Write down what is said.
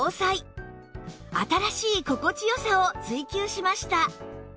また新しい心地良さを追求しました